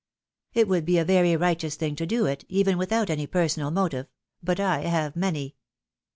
It would be a very righteous thing to do it, even without any personal motive — ^but I have many.